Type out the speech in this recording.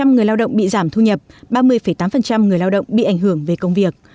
bảy mươi người lao động bị giảm thu nhập ba mươi tám người lao động bị ảnh hưởng về công việc